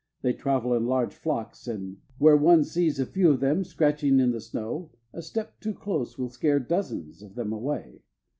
They travel in large flocks, and where one sees a few of them scratching in the snow, a step too close will scare dozens of them away.